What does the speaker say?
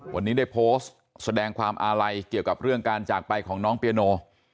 วันนี้ได้โพสต์แสดงความอาลัยเกี่ยวกับเรื่องการจากไปของน้องเปียโน